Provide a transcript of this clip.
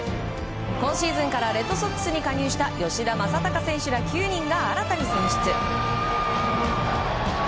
今シーズン、レッドソックスに加入した吉田正尚選手ら９人が新たに選出。